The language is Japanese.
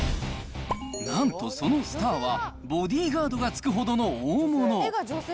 なんとそのスターは、ボディーガードがつくほどの大物。